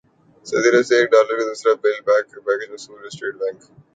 سعودی Arab سے ایک ارب ڈالر کا دوسرا بیل اٹ پیکج موصول اسٹیٹ بینک